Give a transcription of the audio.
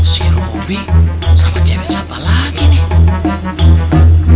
si robby sama cewek siapa lagi nih